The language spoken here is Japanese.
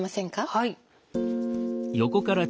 はい。